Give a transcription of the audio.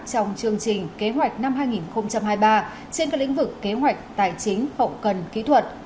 trong chương trình kế hoạch năm hai nghìn hai mươi ba trên các lĩnh vực kế hoạch tài chính hậu cần kỹ thuật